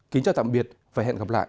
kính chào tạm biệt và hẹn gặp lại